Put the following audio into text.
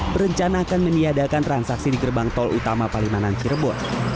berencana akan meniadakan transaksi di gerbang tol utama palimanan cirebon